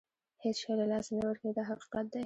هېڅ شی له لاسه نه ورکوي دا حقیقت دی.